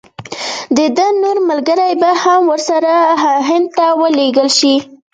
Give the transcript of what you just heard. د ده نور ملګري به هم ورسره هند ته ولېږل شي.